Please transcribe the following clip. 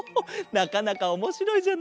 なかなかおもしろいじゃないか。